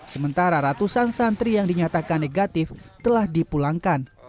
sementara ratusan santri yang dinyatakan negatif telah dipulangkan